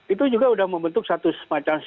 itu juga sudah membentuk satu semacam